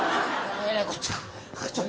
えらいこっちゃ。